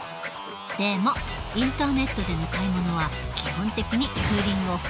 でもインターネットでの買い物は基本的にクーリングオフはできない。